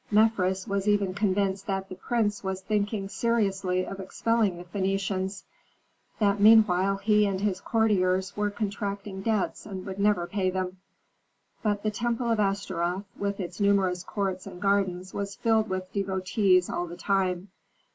Mefres was even convinced that the prince was thinking seriously of expelling the Phœnicians, that meanwhile he and his courtiers were contracting debts and would never pay them. But the temple of Astaroth with its numerous courts and gardens was filled with devotees all the time.